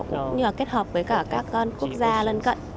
cũng như là kết hợp với cả các quốc gia lân cận